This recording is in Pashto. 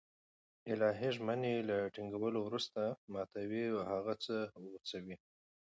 الهي ژمني له ټينگولو وروسته ماتوي او هغه څه غوڅوي